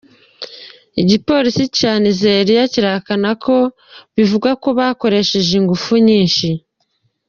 Igipolisi ca Nigeria kirahakana ibirego bivuga ko cakoresheje inguvu nyinshi.